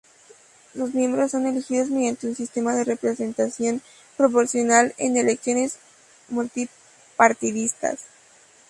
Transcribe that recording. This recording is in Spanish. Sus miembros son elegidos mediante un sistema de representación proporcional en elecciones multipartidistas.